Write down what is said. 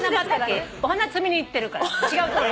お花摘みに行ってるから。